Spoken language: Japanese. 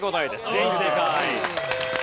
全員正解。